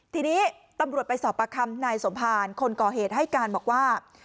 ทีนี้ตำรวจไปสอบประคำนายสมภารคนก่อเหตุให้การบอกว่า